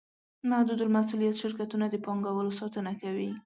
محدودالمسوولیت شرکتونه د پانګوالو ساتنه کوي.